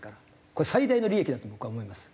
これ最大の利益だと僕は思います。